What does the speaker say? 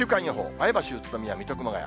前橋、宇都宮、水戸、熊谷。